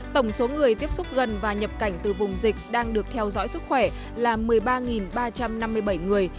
tổng số người tiếp xúc gần và nhập cảnh từ vùng dịch đang được theo dõi sức khỏe là một mươi ba ba trăm năm mươi bảy người